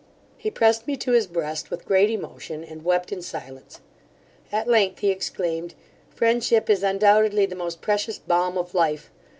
He pressed me to his breast with great emotion, and wept in silence. At length he exclaimed, 'Friendship is undoubtedly the most precious balm of life!